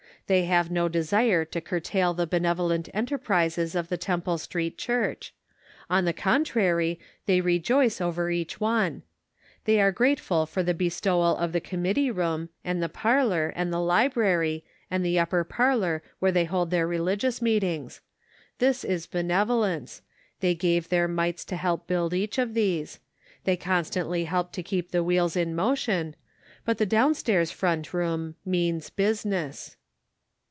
They have no desire to curtail the benevolent enterprises of the 486 The Pocket Measure. Temple Street Church ; on the contrary, they rejoice over each one. They are grateful for the bestowal of the committee room, and the parlor, and the library, and the upper parlor where they hold their religious meet ings — this is benevolence ; they gave their mites to help build each of these ; they constantly help to keep the wheels in motion ; but the down stairs front room means business.